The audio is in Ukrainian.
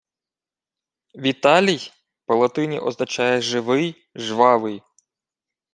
— Віталій по-латині означає живий, жвавий.